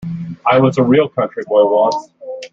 I was a real country boy, once.